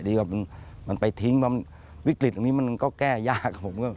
ดีกว่ามันไปทิ้งวิกฤติอย่างนี้มันก็แก้ยาก